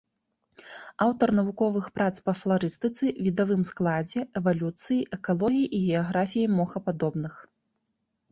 Аўтар навуковых прац па фларыстыцы, відавым складзе, эвалюцыі, экалогіі і геаграфіі мохападобных.